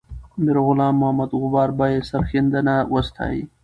میرغلام محمد غبار به یې سرښندنه وستایي.